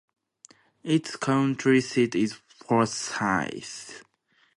Its county seat is Forsyth.